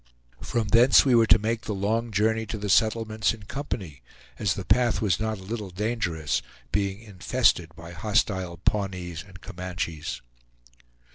From thence we were to make the long journey to the settlements in company, as the path was not a little dangerous, being infested by hostile Pawnees and Comanches.